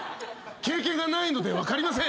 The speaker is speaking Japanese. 経験がないので分かりません！